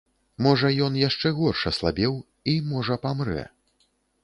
Можа, ён яшчэ горш аслабеў і, можа, памрэ.